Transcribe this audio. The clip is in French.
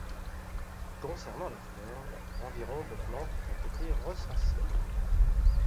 Concernant la flore, environ de plantes ont été recensées.